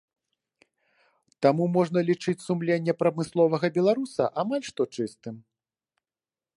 Таму можна лічыць сумленне прамысловага беларуса амаль што чыстым.